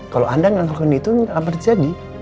kalau anda nganggapin itu gak terjadi